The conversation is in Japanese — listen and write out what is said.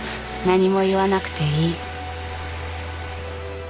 何も言わなくていい。